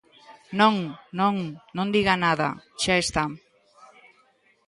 Non, non, non diga nada, xa está.